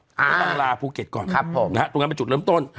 ก็ต้องลาภูเก็ตก่อนนะฮะตรงนั้นเป็นจุดเริ่มต้น